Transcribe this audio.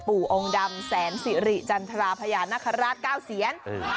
องค์ดำแสนสิริจันทราพญานาคาราช๙เสียน